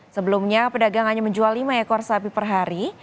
sebelumnya pedagang hanya menjual lima ekor sapi per hari